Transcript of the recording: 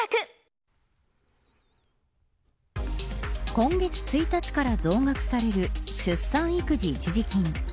今月１日から増額される出産育児一時金。